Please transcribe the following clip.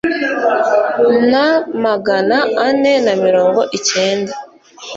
na magana ane na mirongo icyenda